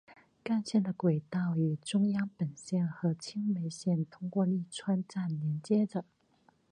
干线的轨道与中央本线和青梅线通过立川站连接着。